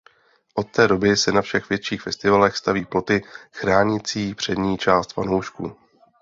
Od té doby se na všech větších festivalech staví ploty chránící přední část fanoušků.